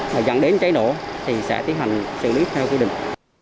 mà dẫn đến cháy nổ thì sẽ tiến hành xử lý theo quy định